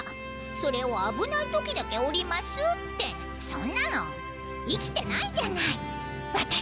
それを危ない時だけ降りますってそんなの生きてないじゃない私。